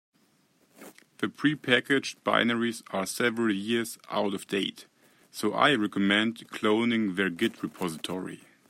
The prepackaged binaries are several years out of date, so I recommend cloning their git repository.